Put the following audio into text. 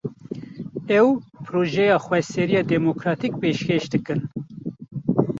Ew, projeya xweseriya demokratîk pêşkêş dikin